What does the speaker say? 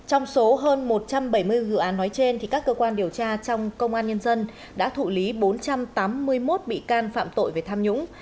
trong số hơn một trăm bảy mươi vụ án nói trên các cơ quan điều tra trong công an nhân dân đã thụ lý bốn trăm tám mươi một bị can phạm tội về tham nhũng